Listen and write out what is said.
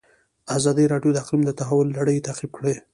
ازادي راډیو د اقلیم د تحول لړۍ تعقیب کړې.